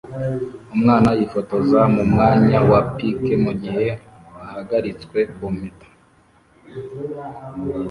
Umwana yifotoza mumwanya wa pike mugihe ahagaritswe kumpeta